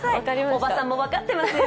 おばさんも分かってますよ。